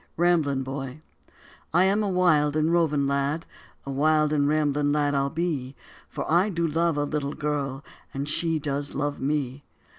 RAMBLING BOY I am a wild and roving lad, A wild and rambling lad I'll be; For I do love a little girl And she does love me.